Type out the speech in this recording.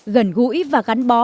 gần gũi và gắn bó